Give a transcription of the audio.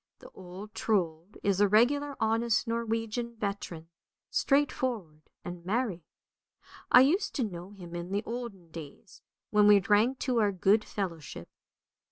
The old Trold is a regular honest Norwegian veteran, straightforward and merry. I used to know him in the olden days, when we drank to our good fellowship.